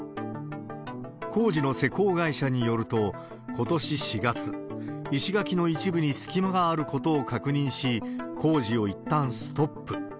工事の施工会社によると、ことし４月、石垣の一部に隙間があることを確認し、工事をいったんストップ。